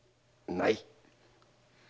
「ない」！